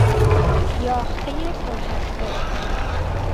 یاخته پرهسته